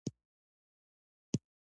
ريښتيا همداسې هم وشول.